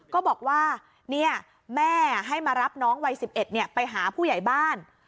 ก็บอกว่าแม่ให้มารับน้องวัย๑๑ไปหาผู้ใหญ่บ้าน